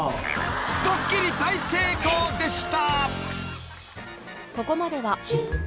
［ドッキリ大成功でした］